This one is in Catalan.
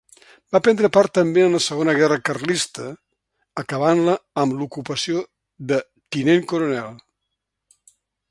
Va prendre part també en la segona guerra carlista, acabant-la amb l'ocupació de tinent coronel.